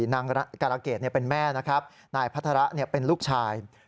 นางการะเกดเป็นแม่นะครับนายพัฒระเป็นลูกชาย